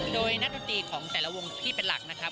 โดยนักดนตรีของแต่ละวงที่เป็นหลักนะครับ